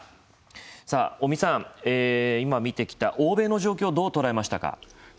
尾身さん、今見てきた欧米の状況、どう捉えましたか？